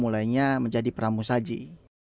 mulainya menjadi pramu saji